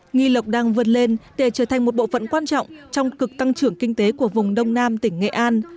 nghi lộc đang vượt lên để trở thành một bộ phận quan trọng trong cực tăng trưởng kinh tế của vùng đông nam tỉnh nghệ an